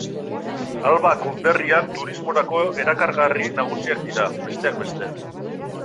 Alba konderrian turismorako erakargarri nagusiak dira, besteak beste.